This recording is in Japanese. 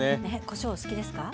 こしょうお好きですか？